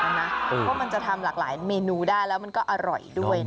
เพราะมันจะทำหลากหลายเมนูได้แล้วมันก็อร่อยด้วย